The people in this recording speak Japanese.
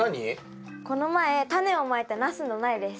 この前タネをまいたナスの苗です。